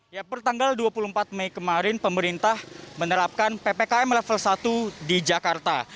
ya pertanggal dua puluh empat mei kemarin pemerintah menerapkan ppkm level satu di jakarta